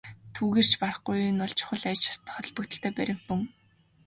Түүгээр ч барахгүй энэ бол чухал ач холбогдолтой баримт мөн.